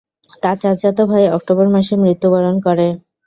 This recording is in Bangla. তার চাচাতো ভাই অক্টোবর মাসে মৃত্যুবরণ করে।